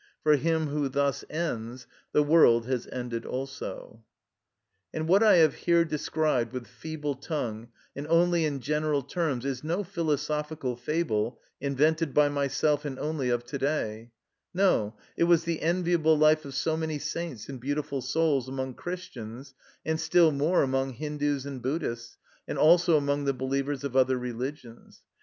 For him who thus ends, the world has ended also. And what I have here described with feeble tongue and only in general terms, is no philosophical fable, invented by myself, and only of to day; no, it was the enviable life of so many saints and beautiful souls among Christians, and still more among Hindus and Buddhists, and also among the believers of other religions.